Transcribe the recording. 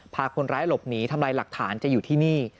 พาคนร้ายหลบหนีทำลายหลักฐานจะอยู่ที่นี่